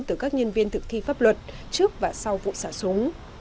từ các nhân viên thực thi pháp luật trước và sau vụ xả súng